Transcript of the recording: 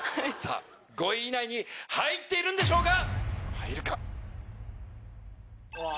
５位以内に入っているんでしょうか